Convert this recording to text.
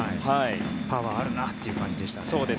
パワーあるなという感じでしたね。